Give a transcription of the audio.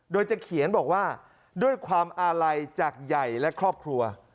โดยจะเขียนบอกว่าด้วยความอาลัยจากใหญ่และครอบครัว